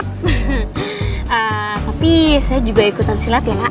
tapi saya juga ikutan silat ya mak